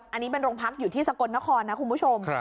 อันนี้เป็นโรงพักอยู่ที่สกลนครนะคุณผู้ชม